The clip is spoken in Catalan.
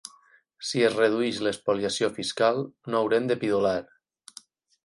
Si es redueix l’espoliació fiscal, no haurem de pidolar.